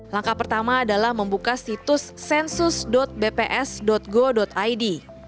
langkah pertama adalah membuka situs sensus bps go id